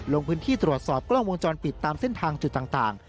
ลงพื้นที่ตรวจสอบกล้องวงจรปิดตามเส้นทางจุดต่าง